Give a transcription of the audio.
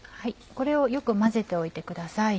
これをよく混ぜておいてください。